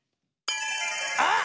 あっ！